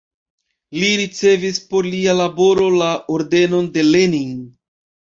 Li ricevis por lia laboro la Ordenon de Lenin.